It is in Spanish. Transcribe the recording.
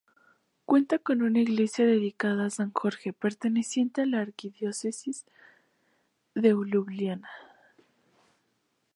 Cuenta con una iglesia dedicada a San Jorge perteneciente a la arquidiócesis de Liubliana.